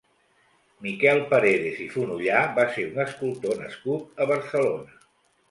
Miquel Paredes i Fonollà va ser un escultor nascut a Barcelona.